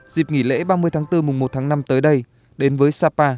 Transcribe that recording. dịp nghỉ lễ ba mươi tháng bốn mùng một tháng năm tới đây đến với sapa